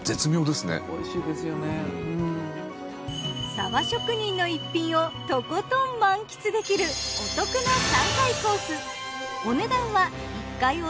サバ職人の逸品をとことん満喫できるお得な３回コース。